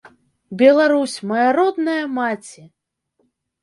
Беларусь, мая родная маці!